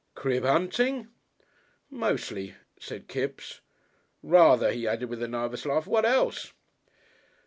"Crib hunting?" "Mostly," said Kipps. "Rather," he added, with a nervous laugh; "what else?"